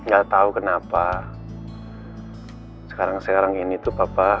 gak tau kenapa sekarang sekarang ini papa